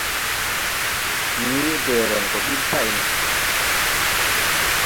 Nii we dɛɛrɛn go ɓil pay no.